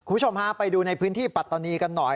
คุณผู้ชมฮะไปดูในพื้นที่ปัตตานีกันหน่อย